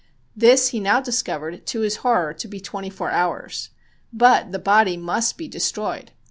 This he now discovered to his horror to be twenty four hours. But the body must be destroyed.